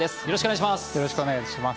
よろしくお願いします。